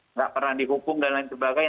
nggak pernah dihukum dan lain sebagainya